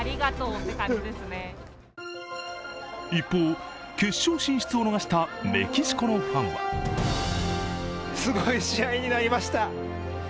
一方、決勝進出を逃したメキシコのファンはすごい試合になりました。